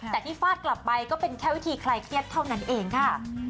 แต่ที่ฟาดกลับไปก็เป็นแค่วิธีคลายเครียดเท่านั้นเองค่ะ